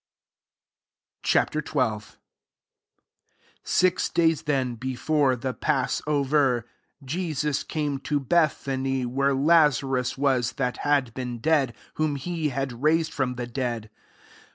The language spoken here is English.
Ch. XIL 1 Six days then be fore the passo^r, Jesus came to Bethany, wh^V Lazarus was, that had been dead, whom he had raised from the dead.